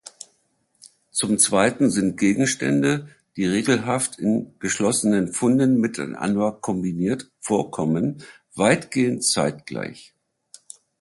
Zum zweiten sind Gegenstände, die regelhaft in geschlossenen Funden miteinander kombiniert vorkommen, weitgehend zeitgleich.